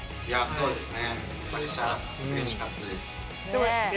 そうですね。